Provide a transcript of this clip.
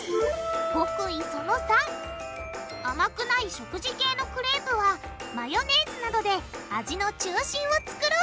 極意その３！甘くない食事系のクレープはマヨネーズなどで味の中心を作ろう！